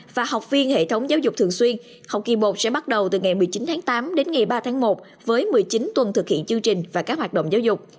và học viên hệ thống giáo dục thường xuyên học kỳ một sẽ bắt đầu từ ngày một mươi chín tháng tám đến ngày ba tháng một với một mươi chín tuần thực hiện chương trình và các hoạt động giáo dục